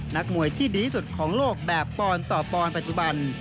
นักมวยที่ดีที่สุดของโลกแบบปอนต่อปอนด์ปัจจุบัน